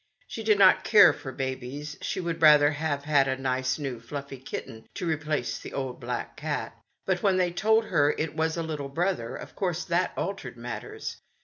She did not care for babies, she would rather have had a nice, new, fluffy kitten to replace the old black cat ; but when they told her it was a little brother, of course that altered matters.